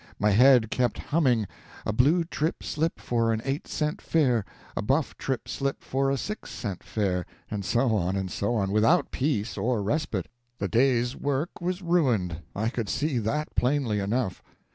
My head kept humming, "A blue trip slip for an eight cent fare, a buff trip slip for a six cent fare," and so on and so on, without peace or respite. The day's work was ruined I could see that plainly enough.